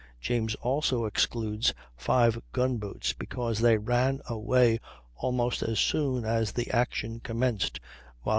James also excludes five gun boats, because they ran away almost as soon as the action commenced (vol.